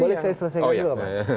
boleh saya selesaikan dulu apa